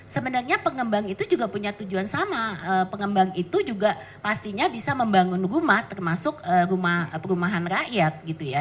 sebenarnya pengembang itu juga punya tujuan sama pengembang itu juga pastinya bisa membangun rumah termasuk perumahan rakyat gitu ya